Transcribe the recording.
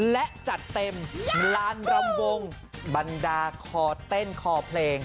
และจัดเต็มลานรำวงบรรดาคอเต้นคอเพลง